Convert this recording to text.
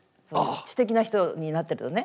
知的な人になってるとね。